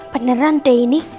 beneran deh ini